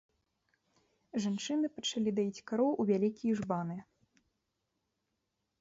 Жанчыны пачалі даіць кароў у вялікія жбаны.